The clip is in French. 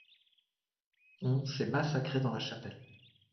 On s’est massacré dans la chapelle.